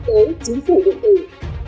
của những tế chính phủ địa phương